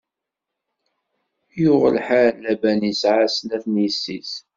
Yuɣ lḥal, Laban isɛa snat n yessi-s.